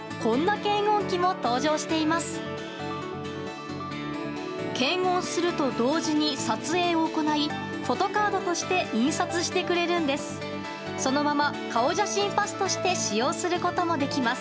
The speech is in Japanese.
検温すると同時に撮影を行い写真をフォトカードとして印刷してくれるんです。